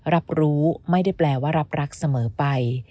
รับรู้ไม่ได้แปลว่ารับรักเสมอไป